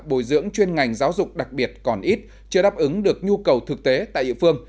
bồi dưỡng chuyên ngành giáo dục đặc biệt còn ít chưa đáp ứng được nhu cầu thực tế tại địa phương